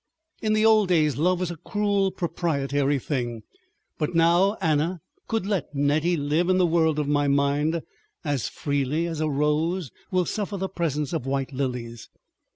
In the old days love was a cruel proprietary thing. But now Anna could let Nettie live in the world of my mind, as freely as a rose will suffer the presence of white lilies.